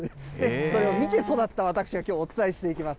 それを見て育った私がきょう、お伝えしていきます。